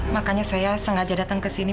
makanya saya sengaja datang ke sini